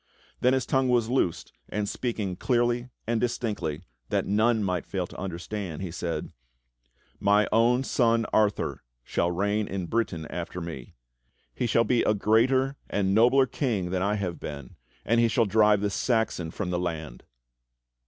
Then his tongue was loosed and speaking clearly and distinctly, that none might fail to understand, he said: "My own son Arthur shall reign in Britain after me. He shall be a greater and nobler king than I have been, and he shall drive the Saxon from the land."